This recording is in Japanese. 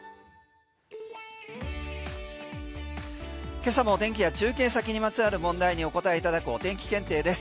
今朝も天気や中継先にまつわる問題にお答えいただくお天気検定です。